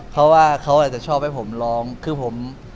ก็อะไรประมาณนั้นครับ